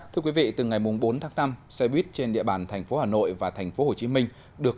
thưa quý vị từ ngày bốn tháng năm xe buýt trên địa bàn thành phố hà nội và thành phố hồ chí minh được